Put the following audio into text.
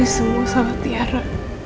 ini semua salah tiara